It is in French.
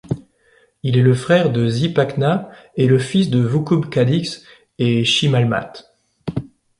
Il est le frère de Zipacna et le fils de Vucub Caquix et Chimalmat.